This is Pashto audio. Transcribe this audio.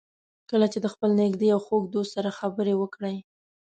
کله چې د خپل نږدې او خوږ دوست سره خبرې وکړئ.